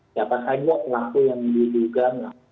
siapa saja pelaku yang diduga